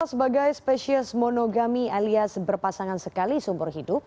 sebagai spesies monogami alias berpasangan sekali seumur hidup